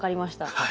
はい。